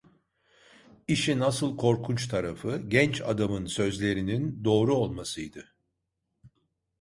İşin asıl korkunç tarafı, genç adamın sözlerinin doğru olmasıydı.